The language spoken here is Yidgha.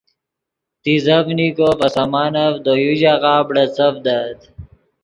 تیزڤنیکو ڤے سامانف دے یو ژاغہ بڑیڅڤدت